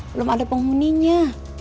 belum ada penghuninya